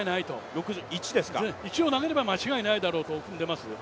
６１を投げれば間違いないだろうと踏んでいます。